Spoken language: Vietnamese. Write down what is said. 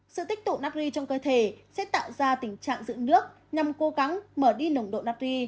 sự tích tụ nacri trong cơ thể sẽ tạo ra tình trạng dưỡng nước nhằm cố gắng mở đi nồng độ nacri